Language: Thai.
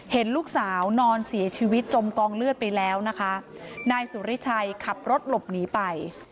เห็นลูกสาวนอนเสียชีวิตจมกองเลือดไปแล้วนะคะนายสุริชัยขับรถหลบหนีไป